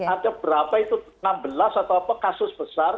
ada berapa itu enam belas atau apa kasus besar